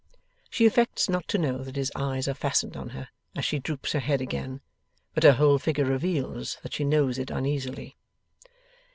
She affects not to know that his eyes are fastened on her as she droops her head again; but her whole figure reveals that she knows it uneasily.